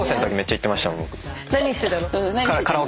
何してたの？